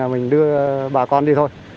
mình đưa bà con đi thôi